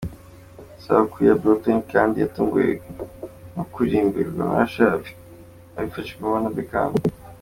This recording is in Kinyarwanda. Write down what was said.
Isabukuru ya Brooklyn kandi yatunguwe no kuririmbirwa na Usher abifashijwemo na Beckham.